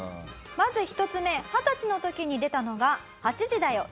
まず１つ目二十歳の時に出たのが『８時だョ！